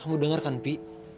kamu denger kan pi